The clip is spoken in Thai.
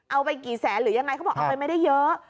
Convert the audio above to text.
เอาไปกี่แสนหรือยังไงเขาบอกเอาไปไม่ได้เยอะ